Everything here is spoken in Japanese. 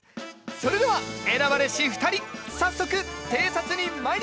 それでは選ばれし２人早速偵察に参りましょう！